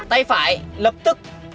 tay phải lập tức